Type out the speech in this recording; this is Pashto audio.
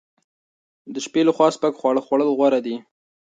د شپې لخوا سپک خواړه خوړل غوره دي.